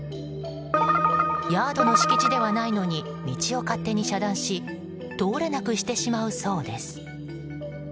ヤードの敷地ではないのに道を勝手に遮断し通れなくしてしまうそうです。